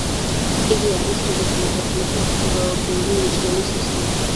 იგი არის რიგით მეთერთმეტე ასტროლოგიური ნიშნების სისტემაში.